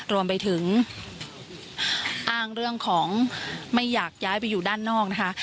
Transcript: รวมไปถึงอ้างเรื่องของไม่อยากย้ายไปอยู่ด้านนอกนะคะ